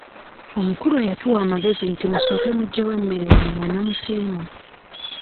Omukulu eyatuwa amagezi nti musooke muggyeko emmere yammwe nnamusiima.